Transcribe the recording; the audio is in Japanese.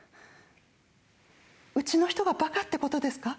うちの人が馬鹿ってことですか？